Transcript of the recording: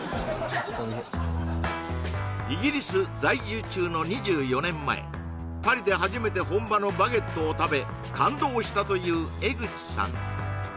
ホントにイギリス在住中の２４年前パリで初めて本場のバゲットを食べ感動したという江口さん